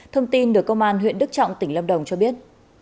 thông tin được công an huyện đức trọng tỉnh lâm đồng cho biết